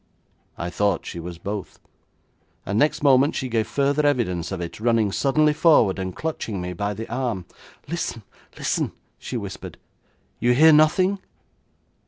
I thought she was both, and next moment she gave further evidence of it, running suddenly forward, and clutching me by the arm. 'Listen! listen!' she whispered. 'You hear nothing?'